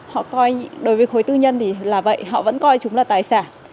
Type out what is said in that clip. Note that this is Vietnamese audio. họ coi đối với khối tư nhân thì là vậy họ vẫn coi chúng là tài sản